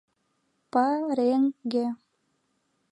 Па-реҥ-ге.